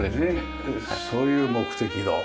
そういう目的の。